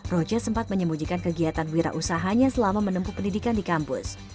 roja sempat menyembunyikan kegiatan wirausahanya selama menempuh pendidikan di kampus